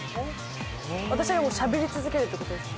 私はもうしゃべり続けるって事ですか？